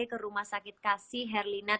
ke rumah sakit kasih herlina